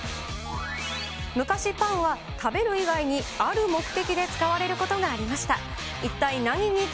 昔パンは食べる以外にある目的で使われることがありました。